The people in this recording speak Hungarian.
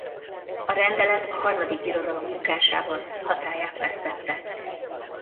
A rendelet a Harmadik Birodalom bukásával hatályát vesztette.